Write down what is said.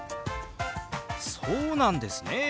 そうなんですね！